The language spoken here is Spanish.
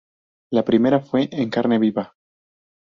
La primera fue "En carne viva".